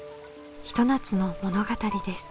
ひと夏の物語です。